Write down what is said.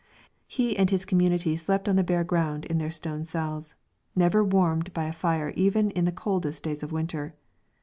He and his community slept on the bare ground in their stone cells, never warmed by a fire even in the coldest days of winter.